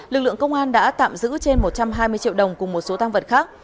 lực lượng công an đã tạm giữ trên một trăm hai mươi triệu đồng cùng một số tăng vật khác